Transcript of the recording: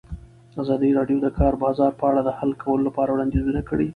ازادي راډیو د د کار بازار په اړه د حل کولو لپاره وړاندیزونه کړي.